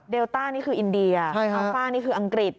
ต้านี่คืออินเดียอัลฟ่านี่คืออังกฤษ